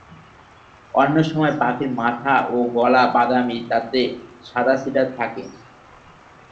অন্য সময় পাখির মাথা ও গলা বাদামি, তাতে সাদা ছিটা থাকে।